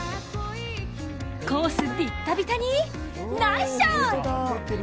コースビッタビタにナイスショット！